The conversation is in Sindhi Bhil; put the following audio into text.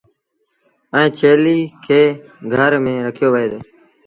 ائيٚݩ ڇيليٚ کي گھر ميݩ رکيو وهي دو۔